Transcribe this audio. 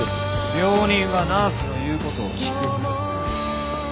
病人はナースの言う事を聞く。